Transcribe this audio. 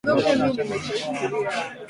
Kisha koroga mchanganyiko wao kwa mwiko